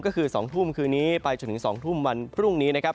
ก็คือ๒ทุ่มคืนนี้ไปจนถึง๒ทุ่มวันพรุ่งนี้นะครับ